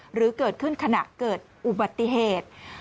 หรือเกิดขึ้นขณะเกิดอุบัติเหตุ